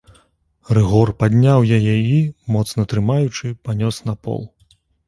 Рыгор падняў яе і, моцна трымаючы, панёс на пол.